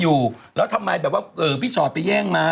ชอตและมาช้าไปแย่งมา